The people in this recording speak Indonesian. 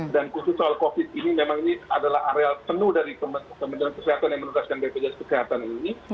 dan khusus soal covid sembilan belas ini memang ini adalah area penuh dari kementerian kesehatan yang menerjakan bpnk kesehatan ini